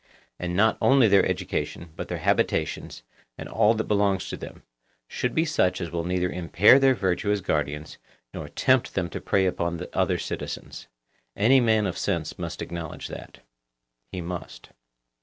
And not only their education, but their habitations, and all that belongs to them, should be such as will neither impair their virtue as guardians, nor tempt them to prey upon the other citizens. Any man of sense must acknowledge that. He must.